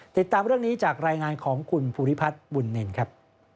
ติดตามเรื่องนี้จากรายงานของคุณภูริพัฒน์บุญนินครับ